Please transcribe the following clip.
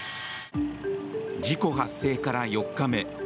事故発生から４日目。